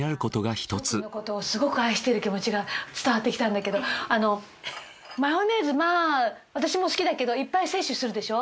翔くんのことをすごく愛してる気持ちが伝わってきたんだけどマヨネーズまぁ私も好きだけどいっぱい摂取するでしょ？